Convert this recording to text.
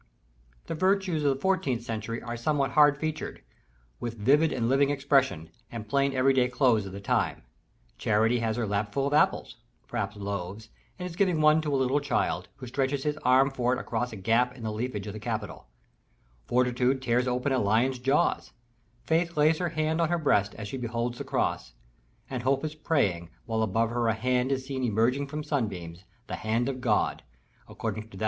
The Virtues of the fourteenth century are somewhat hard featured; with vivid and living expression, and plain every day clothes of the time. Charity has her lap full of apples (perhaps loaves), and is giving one to a little child, who stretches his arm for it across a gap in the leafage of the capital. Fortitude tears open a lion's jaws; Faith lays her hand on her breast, as she beholds the Cross; and Hope is praying, while above her a hand is seen emerging from sunbeams the hand of God (according to that of Revelations, "The Lord God giveth them light"); and the inscription above is, "Spes optima in Deo."